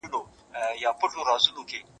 ارزونه وکړئ.